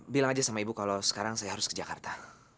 bilang aja sama ibu kalau sekarang saya harus ke jakarta